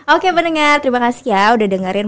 oke mendengar terima kasih ya udah dengerin